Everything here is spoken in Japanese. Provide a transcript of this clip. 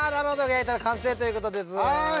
焼いたら完成という事です。